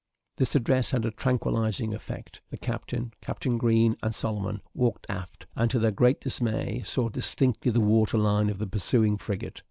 This address had a tranquillising effect. The captain, Captain Green, and Solomon, walked aft; and, to their great dismay, saw distinctly the water line of the pursuing frigate.